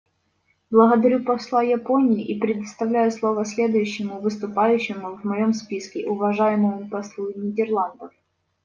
Благодарю посла Японии и предоставляю слово следующему выступающему в моем списке — уважаемому послу Нидерландов.